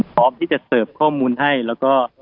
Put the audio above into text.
พร้อมที่จะเสิร์ฟข้อมูลให้แล้วก็